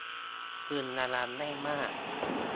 พึงระวังให้มาก